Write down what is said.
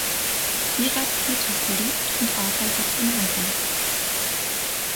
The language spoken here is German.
Ira Peter lebt und arbeitet in Mannheim.